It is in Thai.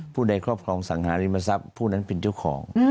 ผู้ใดครอบครองสังหาริมทรัพย์ผู้นั้นเป็นเจ้าของ